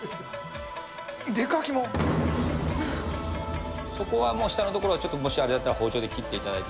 でか、そこはもう、下の所はちょっと、もしあれだったら、包丁で切っていただいて。